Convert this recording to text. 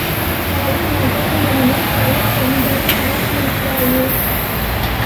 பல நகரங்களிலும் பல பெண்களைப் பார்த்திருப்பாயே?